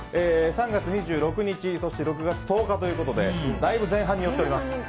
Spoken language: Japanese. ３月２６日６月１０日ということでだいぶ前半に寄っております。